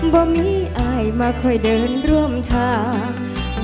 บ่มีอายมาคอยเดินร่วมทาง